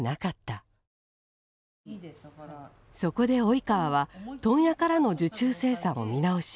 そこで及川は問屋からの受注生産を見直し